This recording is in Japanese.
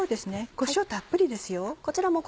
こしょうたっぷりですよ。